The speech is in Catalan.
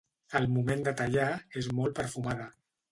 Al moment de tallar, és molt perfumada.